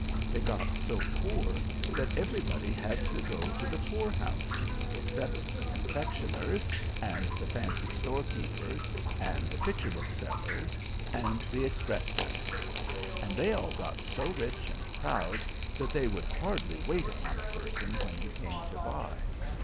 They got so poor that everybody had to go to the poor house, except the confectioners, and the fancy store keepers, and the picture book sellers, and the expressmen; and they all got so rich and proud that they would hardly wait upon a person when he came to buy.